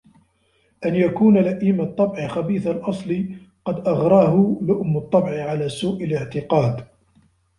أَنْ يَكُونَ لَئِيمَ الطَّبْعِ خَبِيثَ الْأَصْلِ قَدْ أَغْرَاهُ لُؤْمُ الطَّبْعِ عَلَى سُوءِ الِاعْتِقَادِ